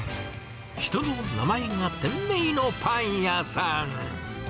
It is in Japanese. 人の名前が店名のパン屋さん。